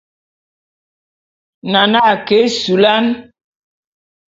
Nane a ke ésulán.